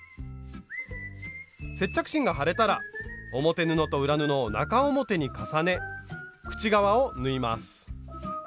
接着芯が貼れたら表布と裏布を中表に重ね口側を縫います。